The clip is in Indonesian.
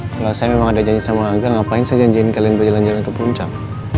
kalau saya memang ada janji sama angga ngapain saya janjiin kalian berjalan jalan ke puncak